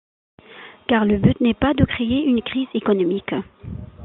Car le but n’est pas de créer une crise économique.